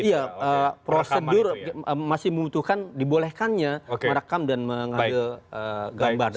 iya prosedur masih membutuhkan dibolehkannya merekam dan mengadil gambar dan lain lain